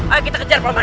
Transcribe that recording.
ayo kita kejar peman